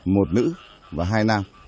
một nữ và hai nam